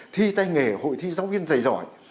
thi tay nghề hội thi giáo viên dày giỏi